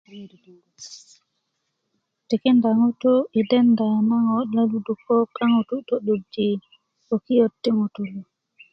tikinda ŋutu i denda na ŋo na luduko a ŋutu to'durji bgokiyöt ti ŋutulu